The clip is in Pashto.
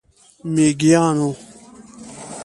میږیانو،